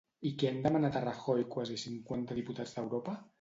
I què han demanat a Rajoy quasi cinquanta diputats d'Europa?